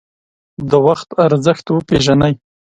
د وخت ارزښت وپیژنئ